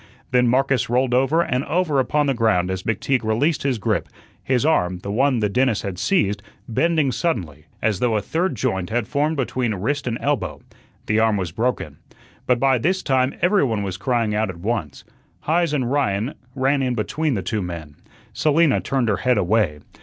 Then Marcus rolled over and over upon the ground as McTeague released his grip; his arm, the one the dentist had seized, bending suddenly, as though a third joint had formed between wrist and elbow. The arm was broken. But by this time every one was crying out at once. Heise and Ryan ran in between the two men. Selina turned her head away.